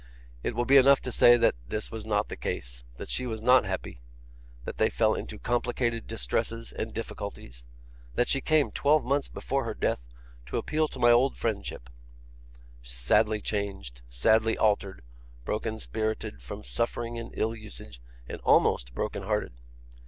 'It will be enough to say that this was not the case; that she was not happy; that they fell into complicated distresses and difficulties; that she came, twelve months before her death, to appeal to my old friendship; sadly changed, sadly altered, broken spirited from suffering and ill usage, and almost broken hearted.